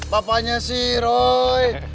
bapaknya si roy